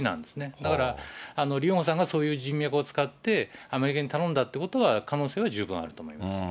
だから、リ・ヨンホさんがそういう人脈を使って、アメリカに頼んだということは、可能性は十分あると思います。